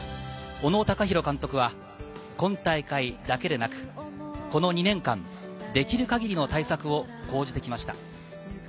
小野貴裕監督は今大会だけでなく、この２年間、できる限りの対策を講じてきました。